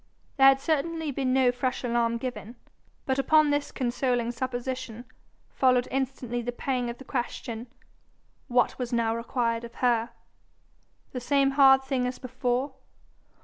There had certainly been no fresh alarm given. But upon this consoling supposition followed instantly the pang of the question: what was now required of her? The same hard thing as before?